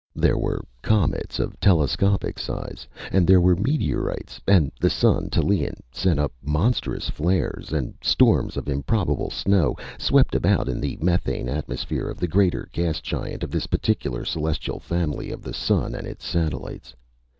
There were comets of telescopic size, and there were meteorites, and the sun Tallien sent up monstrous flares, and storms of improbable snow swept about in the methane atmosphere of the greater gas giant of this particular celestial family of this sun and its satellites.